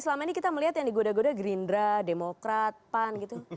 selama ini kita melihat yang digoda goda gerindra demokrat pan gitu